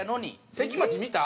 関町見た？